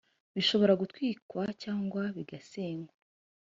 bishobora gutwikwa cyangwa bigasenywa